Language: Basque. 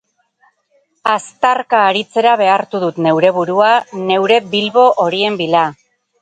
Aztarka aritzera behartu dut neure burua, neure bilbo horien bila.